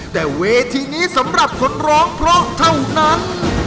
แต่เวทีนี้สำหรับคนร้องเพราะเท่านั้น